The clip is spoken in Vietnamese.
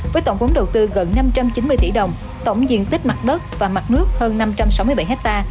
với tổng vốn đầu tư gần năm trăm chín mươi tỷ đồng tổng diện tích mặt đất và mặt nước hơn năm trăm sáu mươi bảy ha